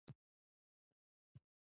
د چا په شرافت او ابرو دې تېری نه کیږي.